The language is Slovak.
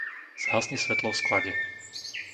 Zhasni svetlo v sklade.